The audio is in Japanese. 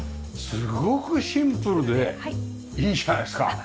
すごくシンプルでいいじゃないですか！